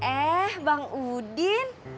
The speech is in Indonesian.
eh bang udin